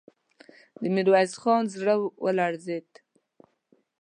د ميرويس خان زړه ولړزېد.